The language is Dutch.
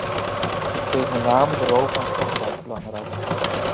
Ik vind met name de rol van het onderwijs belangrijk...